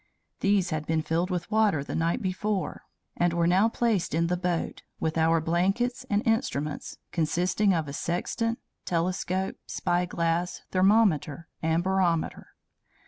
These had been filled with water the night before, and were now placed in the boat, with our blankets and instruments, consisting of a sextant, telescope, spyglass, thermometer, and barometer.